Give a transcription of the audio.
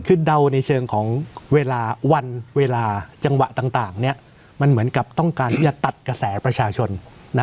คือเดาในเชิงของเวลาวันเวลาจังหวะต่างมันเหมือนกับต้องการที่จะตัดกระแสประชาชน